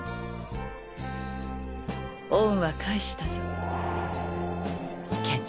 恩は返したぞ研二